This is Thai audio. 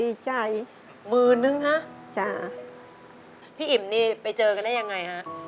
นักสู้ชีวิตแต่ละคนก็ฝ่าภันและสู้กับเพลงนี้มากก็หลายรอบ